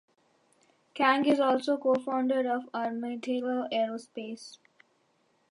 Kang is also co-founder of Armadillo Aerospace.